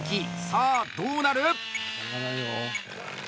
さあ、どうなる？